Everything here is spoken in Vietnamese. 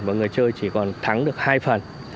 và người chơi chỉ còn thắng được hai phần